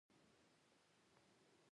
په ژوند کي دي یوه شېبه یاد نه کړمه پر شونډو